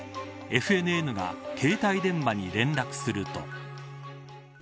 ＦＮＮが携帯電話に連絡すると。